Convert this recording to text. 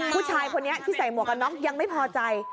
ผู้ชายคนนี้ที่ใส่หมวกกันน็อกยังไม่พอใจ